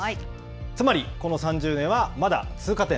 つまりこの３０年はまだ通過点。